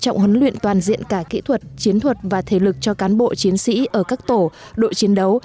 trọng huấn luyện toàn diện cả kỹ thuật chiến thuật và thể lực cho cán bộ chiến sĩ ở các tổ đội chiến đấu